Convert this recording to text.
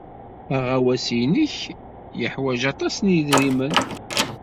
Aɣawas-nnek yeḥwaj aṭas n yedrimen.